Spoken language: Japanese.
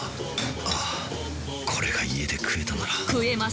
ああこれが家で食えたなら食えます！